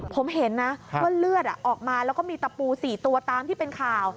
ผมเห็นนะว่าเลือดออกมาแล้วก็มีตะปู๔ตัวตามที่เป็นข่าว